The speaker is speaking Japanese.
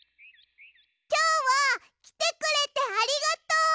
きょうはきてくれてありがとう！